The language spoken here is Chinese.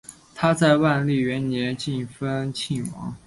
他在万历元年晋封庆王。